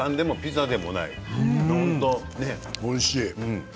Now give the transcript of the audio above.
おいしい。